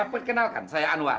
perkenalkan saya anwar